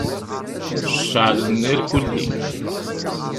Ceɛlen irkulli.